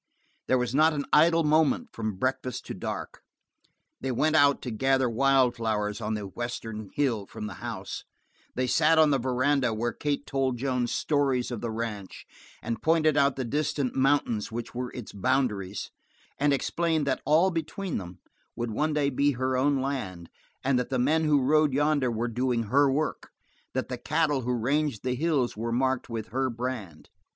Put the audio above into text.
There was not an idle moment from breakfast to dark. They went out to gather wildflowers on the western hill from the house; they sat on the veranda where Kate told Joan stories of the ranch and pointed out the distant mountains which were its boundaries, and explained that all between them would one day be her own land; that the men who rode yonder were doing her work; that the cattle who ranged the hills were marked with her brand.